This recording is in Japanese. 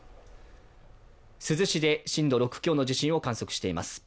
珠洲市で震度６強の地震を観測しています。